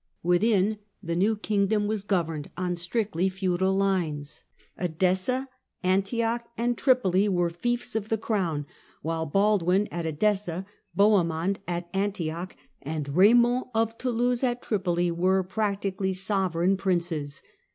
Within, the new kingdom was governed on strictly feudal lines. Edessa, Antioch, and Tripoli were fiefs of the Crown, while Baldwin at Edessa, Bohemond at Antioch, and Eaymond of Toulouse at Tripoli were practically sovereign princes.